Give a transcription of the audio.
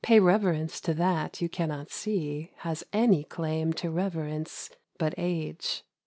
iy reverence to that you cannot see Has any claim to reverence but age.'